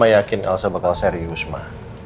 mama yakin elsa bakal serius ma